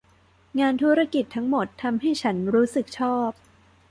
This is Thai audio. งานธุรกิจทั้งหมดทำให้ฉันรู้สึกชอบ